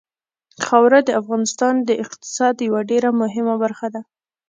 خاوره د افغانستان د اقتصاد یوه ډېره مهمه برخه ده.